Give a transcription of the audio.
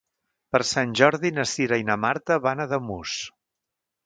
Per Sant Jordi na Cira i na Marta van a Ademús.